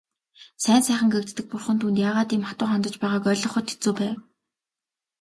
Сайн сайхан гэгддэг бурхан түүнд яагаад ийм хатуу хандаж байгааг ойлгоход хэцүү байв.